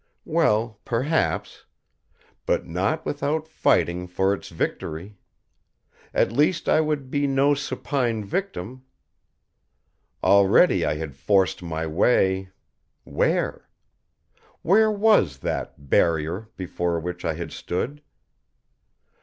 Well, perhaps! But not without fighting for Its victory. At least I would be no supine victim. Already I had forced my way where? Where was that Barrier before which I had stood?